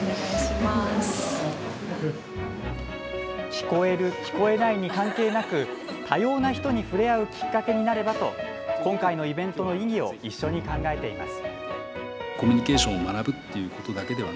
聞こえる聞こえないに関係なく多様な人に触れ合うきっかけになればと今回のイベントの意義を一緒に考えています。